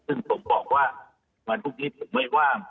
ซึ่งผมบอกว่าวันทุกว่างผมไม่ว่าง